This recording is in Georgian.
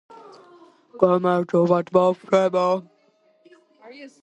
ცალ-ცალკე მომჩივანი ბატონს მართალი ეგონაო